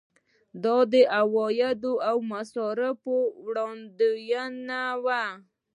دا د عوایدو او مصارفو وړاندوینه وه.